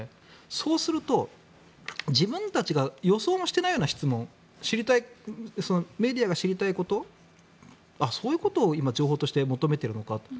そうすると、自分たちが予想もしていないような質問メディアが知りたいことそういうことを今、情報として求めているのかと。